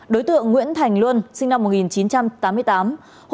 đối tượng nguyễn thành luân sinh năm một nghìn chín trăm tám mươi tám